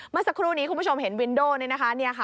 เมื่อสักครู่นี้คุณผู้ชมเห็นวินโด้น